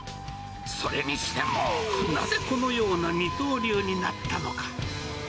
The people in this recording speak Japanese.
それにしても、なぜこのような二刀流になったのか。